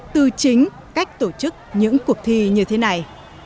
từ chính cách tổ chức những cuộc thi như thế này